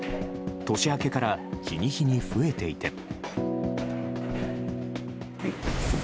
年明けから日に日に増えていて。